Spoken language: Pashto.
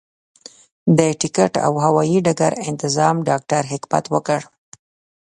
د ټکټ او هوايي ډګر انتظام ډاکټر حکمت وکړ.